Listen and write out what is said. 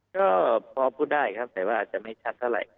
ก็พอพูดได้ครับแต่ว่าอาจจะไม่ชัดเท่าไหร่